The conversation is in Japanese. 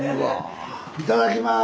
いただきます！